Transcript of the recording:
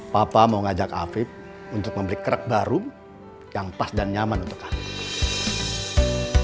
papa mau ngajak afif untuk membeli krek baru yang pas dan nyaman untuk kamu